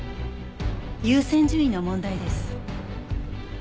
優先順位の問題です。